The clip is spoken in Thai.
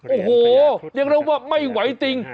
โอ้โหยังรู้ว่าไม่ไหวติง